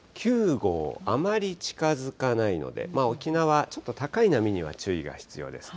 ９号、あまり近づかないので、沖縄、ちょっと高い波には注意が必要です。